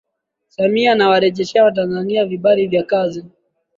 Samia anawarejeshea Watanzania vibali vya kazi